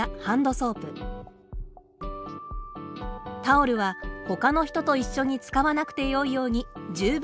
タオルはほかの人と一緒に使わなくてよいように十分な数を。